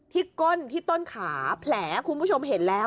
ก้นที่ต้นขาแผลคุณผู้ชมเห็นแล้ว